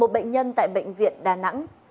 một bệnh nhân tại bệnh viện đà nẵng